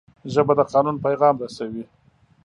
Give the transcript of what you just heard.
ژبه د قانون پیغام رسوي